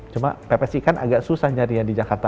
cuma pepes ikan agak susah nyari ya di jakarta